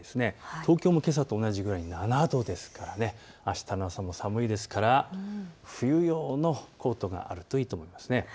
東京もけさと同じくらいで７度ですからあしたの朝も寒いですから冬用のコートがあるといいと思います。